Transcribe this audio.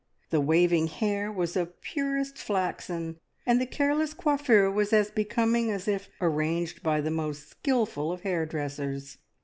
The waving hair was of purest flaxen, and the careless coiffure was as becoming as if arranged by the most skilful of hairdressers.